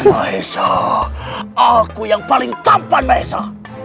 mahesha aku yang paling tampan mahesha